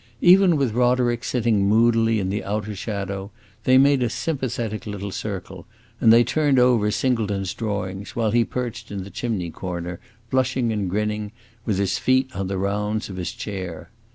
Even with Roderick sitting moodily in the outer shadow they made a sympathetic little circle, and they turned over Singleton's drawings, while he perched in the chimney corner, blushing and grinning, with his feet on the rounds of his chair.